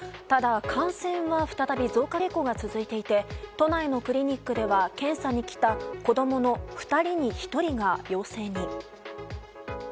ただ感染は再び増加傾向が続いていて都内のクリニックでは検査に来た子供の２人に１人が陽性に。